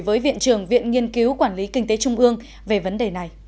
với viện trưởng viện nghiên cứu quản lý kinh tế trung ương về vấn đề này